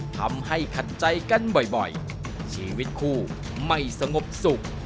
ทำให้ขัดใจกันบ่อยชีวิตคู่ไม่สงบสุข